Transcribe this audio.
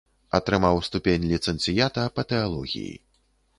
Атрымаў ступень ліцэнцыята па тэалогіі.